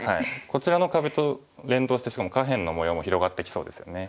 こちらの壁と連動してしかも下辺の模様も広がってきそうですよね。